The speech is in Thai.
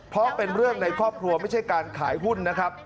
เพราะเป็นเรื่องในครอบครัวไม่ใช่การขายหุ้นนะครับ